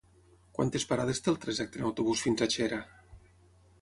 Quantes parades té el trajecte en autobús fins a Xera?